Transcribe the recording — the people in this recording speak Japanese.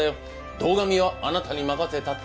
堂上はあなたに任せたって。